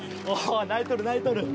泣いとる、泣いとる。